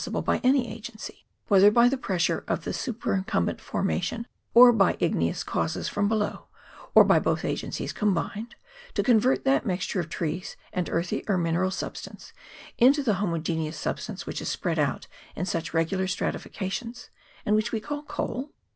137 sible by any agency whether by the pressure of a superincumbent formation, or by igneous causes from below, or by both agencies combined to convert that mixture of trees and earthy or mineral substance into the homogeneous substance which is spread out in such regular stratifications, and which we call coal